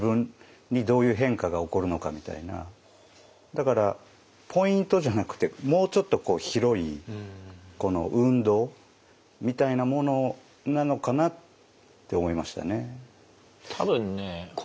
だからポイントじゃなくてもうちょっと広い運動みたいなものなのかなって思いましたね。